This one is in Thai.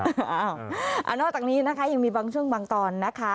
เอานอกจากนี้นะคะยังมีบางช่วงบางตอนนะคะ